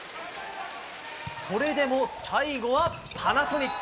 それでも最後はパナソニック。